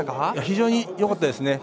非常によかったですね。